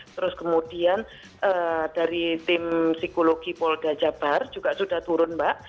terus kemudian dari tim psikologi polda jabar juga sudah turun mbak